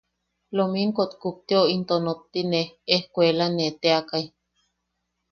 Lominkok kupteo into nottine ejkuelane teakai.